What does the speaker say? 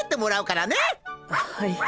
はい。